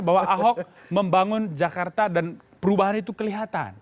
bahwa ahok membangun jakarta dan perubahan itu kelihatan